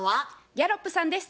ギャロップさんです。